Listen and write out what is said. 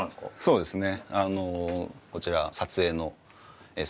そうですね。